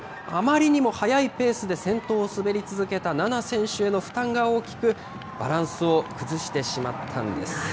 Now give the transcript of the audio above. あまりにも速いペースで先頭を滑り続けた菜那選手への負担が大きく、バランスを崩してしまったんです。